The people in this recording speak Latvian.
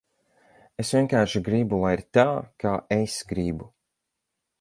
Es vienkārši gribu, lai ir tā, kā es gribu.